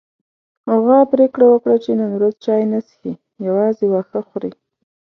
غوا پرېکړه وکړه چې نن ورځ چای نه څښي، يوازې واښه خوري.